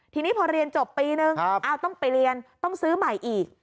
ทีนี้พอเรียนจบปีนึงต้องไปเรียนต้องซื้อใหม่อีก